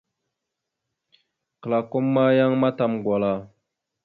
Klakom ma yan matam gwala.